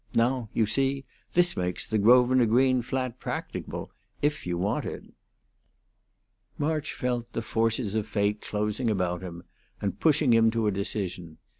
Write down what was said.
Now, you see, this makes the Grosvenor Green flat practicable, if you want it." March felt the forces of fate closing about him and pushing him to a decision.